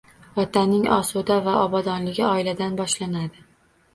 Vatanning osuda va obodligi oiladan boshlanadi